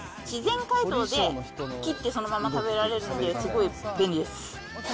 自然解凍で切ってそのまま食べられるので、すごい便利です。